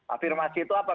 afirmasi itu apa